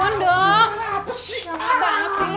tau nih perih matahari lo